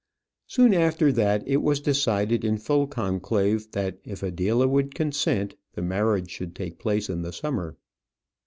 Soon after that, it was decided in full conclave, that if Adela would consent, the marriage should take place in the summer.